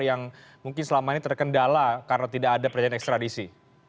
yang mungkin selama ini terkendala karena tidak ada perjanjian ekstradisi